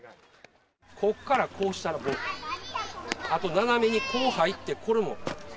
こっからこうしたらボール、あと、斜めにこう入って、これも。